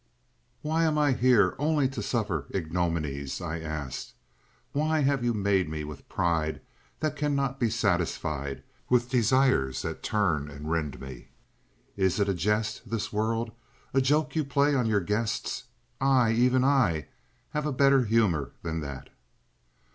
"Why am I here only to suffer ignominies?" I asked. "Why have you made me with pride that cannot be satisfied, with desires that turn and rend me? Is it a jest, this world—a joke you play on your guests? I—even I—have a better humor than that!"